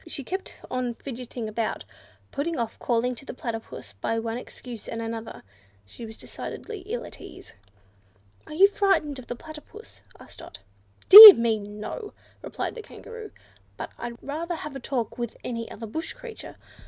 She kept on fidgeting about, putting off calling to the Platypus by one excuse and another: she was decidedly ill at ease. "Are you frightened of the Platypus?" asked Dot. "Dear me, no!" replied the Kangaroo, "but I'd rather have a talk with any other bush creature.